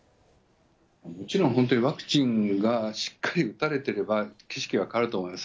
もちろん本当にワクチンがしっかり打たれてれば、景色は変わると思います。